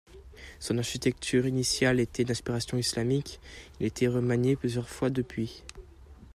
Son architecture initiale était d'inspiration islamique, il a été remanié plusieurs fois depuis.